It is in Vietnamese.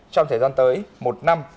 trong thời gian tới một năm